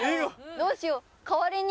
どうしよう。